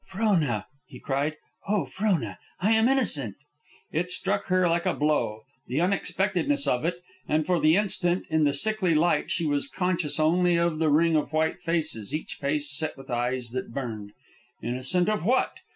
"Frona," he cried, "oh, Frona, I am innocent!" It struck her like a blow, the unexpectedness of it, and for the instant, in the sickly light, she was conscious only of the ring of white faces, each face set with eyes that burned. Innocent of what?